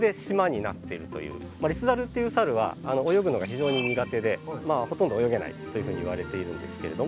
リスザルっていうサルは泳ぐのが非常に苦手でほとんど泳げないというふうにいわれているんですけれども。